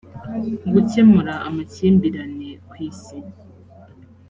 gukemura amakimbirane ku isi